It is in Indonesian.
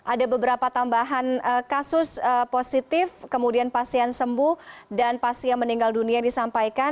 ada beberapa tambahan kasus positif kemudian pasien sembuh dan pasien meninggal dunia yang disampaikan